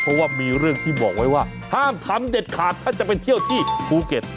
เพราะว่ามีเรื่องที่บอกไว้ว่าห้ามทำเด็ดขาดถ้าจะไปเที่ยวที่ภูเก็ต